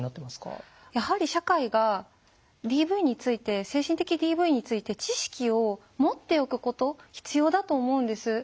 やはり社会がＤＶについて精神的ＤＶについて知識を持っておくこと必要だと思うんです。